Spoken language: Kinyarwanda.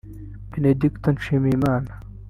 Benedicto Nshimiyimana